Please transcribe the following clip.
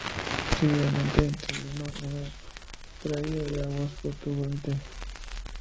Seguidamente intervino en la traída de aguas a Portugalete.